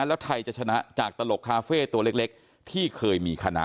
แล้วไทยจะชนะจากตลกคาเฟ่ตัวเล็กที่เคยมีคณะ